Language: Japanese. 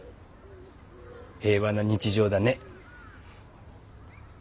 平和な日常だね。